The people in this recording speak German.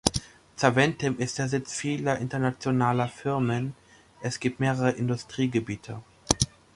Zaventem ist der Sitz vieler internationaler Firmen, es gibt mehrere Industriegebiete.